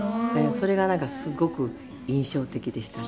それがなんかすごく印象的でしたね。